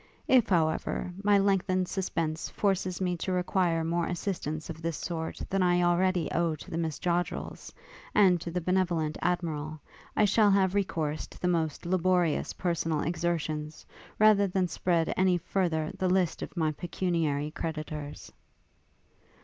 If, however, my lengthened suspense forces me to require more assistance of this sort than I already owe to the Miss Joddrels, and to the benevolent Admiral, I shall have recourse to the most laborious personal exertions, rather than spread any further the list of my pecuniary creditors.'